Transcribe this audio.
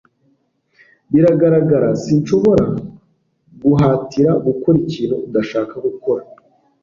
Biragaragara, sinshobora kuguhatira gukora ikintu udashaka gukora.